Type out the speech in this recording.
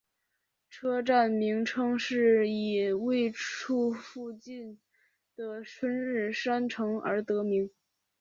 车站名称是以位处附近的春日山城而得名。